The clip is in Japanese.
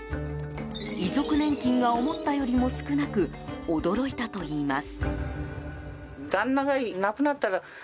遺族年金が思ったよりも少なく驚いたといいます。